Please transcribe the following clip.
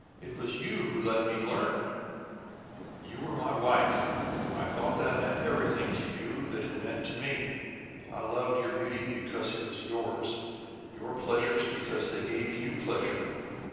It was you who let me learn." "You were my wife! I thought that meant everything to you that it meant to me. I loved your beauty because it was yours; your pleasures because they gave you pleasure.